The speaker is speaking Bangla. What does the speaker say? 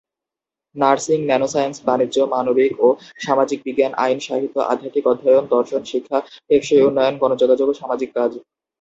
নার্সিং, ন্যানো-সায়েন্স, বাণিজ্য, মানবিক ও সামাজিক বিজ্ঞান, আইন, সাহিত্য, আধ্যাত্মিক অধ্যয়ন, দর্শন, শিক্ষা, টেকসই উন্নয়ন, গণযোগাযোগ এবং সামাজিক কাজ।